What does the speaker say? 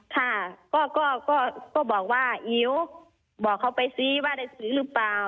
ค่ะก็บอกว่าอิ๋วบอกเขาไปซิว่าได้ซื้อหรือเปล่า